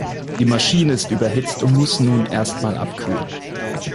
Die Maschine ist überhitzt und muss nun erst einmal abkühlen.